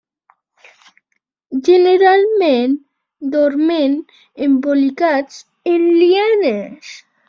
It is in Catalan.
Generalment dormen embolicats en lianes.